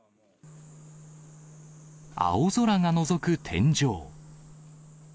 青空がのぞく天井。